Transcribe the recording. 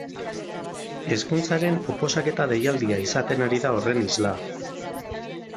Hezkuntzaren oposaketa deialdia izaten ari da horren isla.